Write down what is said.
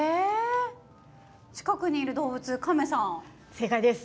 正解です。